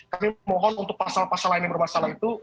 kami mohon untuk pasal pasal lain yang bermasalah itu